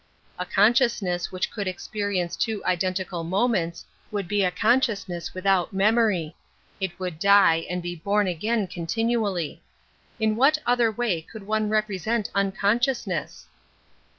A consciousueas which could experience two identical moments would be a consciousness the 1 J detaphysi^^ 13 it. without memory. It would die and be bom again continually. In what other way could one represent unconsciousness?